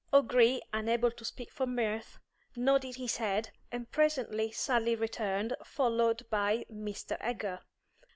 O'Gree, unable to speak for mirth, nodded his head, and presently Sally returned, followed by Mr. Egger.